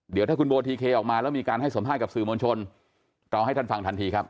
เดี๋ยวถ้าคุณโบทีเคออกมาแล้วมีการให้สัมภาษณ์กับสื่อมวลชนเราให้ท่านฟังทันทีครับ